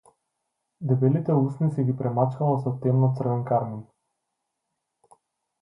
Дебелите усни си ги премачкала со темно-црвен кармин.